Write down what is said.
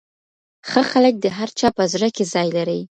ښه خلک د هر چا په زړه کي ځای لري.